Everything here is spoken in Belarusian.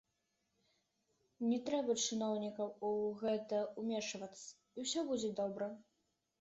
Не трэба чыноўнікам у гэта ўмешвацца, і ўсё будзе добра.